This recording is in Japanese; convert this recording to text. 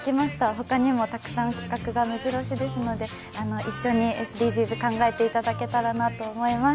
ほかにもたくさん、企画が目白押しですので、一緒にＳＤＧｓ考えていただけたらなと思います。